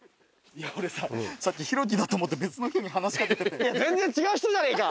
いや俺ささっきヒロキだと思って別の人に話し掛けてたよ。